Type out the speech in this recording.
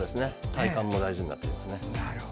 体幹も大事になってきますね。